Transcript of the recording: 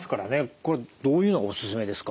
これどういうのがおすすめですか？